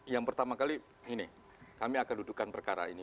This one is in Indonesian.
yang pertama kali ini kami akan dudukan perkara ini